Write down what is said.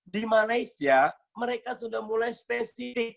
di malaysia mereka sudah mulai spesifik